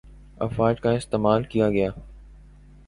افواج کا استعمال کیا گی